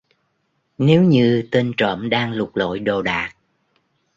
Nếu như tên trộm đang lục lọi đồ đạc